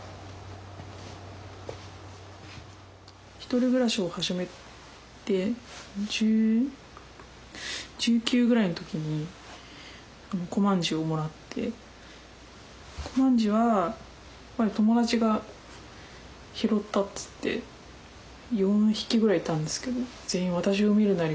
１人暮らしを始めて１９ぐらいの時にこまんじをもらってこまんじは友達が拾ったっつって４匹ぐらいいたんですけど全員私を見るなり